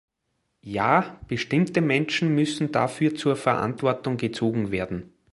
Ja, bestimmte Menschen müssen dafür zur Verantwortung gezogen werden.